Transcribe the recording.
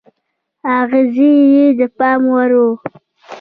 اغېز یې د پام وړ و.